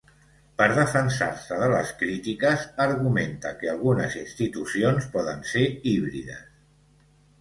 Per defensar-se de les crítiques, argumenta que algunes institucions poden ser híbrides.